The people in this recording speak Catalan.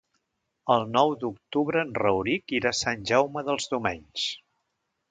El nou d'octubre en Rauric irà a Sant Jaume dels Domenys.